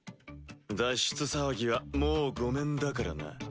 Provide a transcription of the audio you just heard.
脱出騒ぎはもう御免だからな。